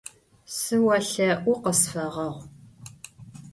Sıolhe'u, khısfeğeğu!